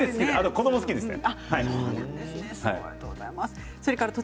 子ども好きですね。